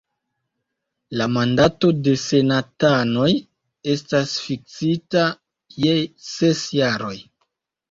La mandato de senatanoj estas fiksita je ses jaroj.